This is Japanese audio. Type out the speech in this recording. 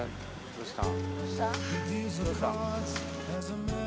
どうした？